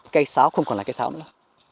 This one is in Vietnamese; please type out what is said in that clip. cây sáo không còn là cây sáo nữa